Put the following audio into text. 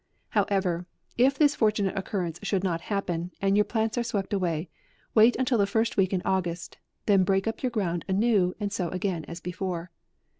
However, if this for tunate occurrence should not happen, and your plants are swept away, wait until the first week in August, then break up your ground anew and sow again as before.